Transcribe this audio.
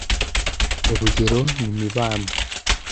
Urugero ni Mibambwe